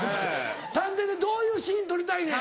探偵でどういうシーン撮りたいねん。